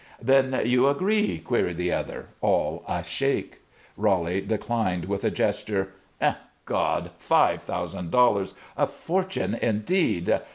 "Then you agree?" queried the other, all ashake. Roly declined with a gesture. "Eh, God! Five thousand dollars! A fortune, indeed!